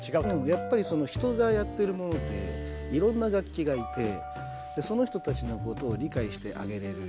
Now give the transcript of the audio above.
やっぱり人がやってるものでいろんな楽器がいてその人たちのことを理解してあげれる。